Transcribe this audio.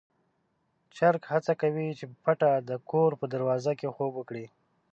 چرګ هڅه کوي چې په پټه د کور په دروازه کې خوب وکړي.